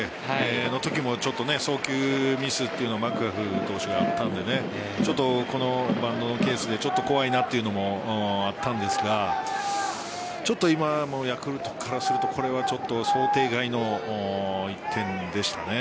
そのときも送球ミスというのがマクガフ投手はあったのでこのバントのケースで怖いなというのもあったんですがちょっと今のヤクルトからするとこれは想定外の１点でしたね。